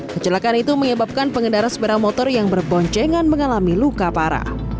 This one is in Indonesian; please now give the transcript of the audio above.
kecelakaan itu menyebabkan pengendara sepeda motor yang berboncengan mengalami luka parah